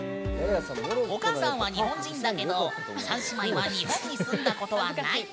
お母さんは日本人だけど３姉妹は日本に住んだことはない。